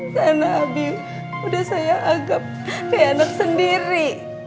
karena abi udah saya agap kayak anak sendiri